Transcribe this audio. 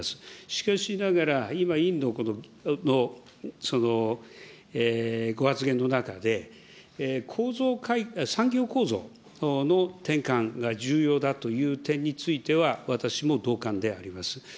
しかしながら、今、委員のこのご発言の中で、産業構造の転換が重要だという点については、私も同感であります。